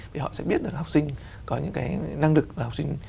vì họ sẽ biết được học sinh có những cái năng lực và học sinh